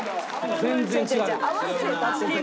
全然違うよ。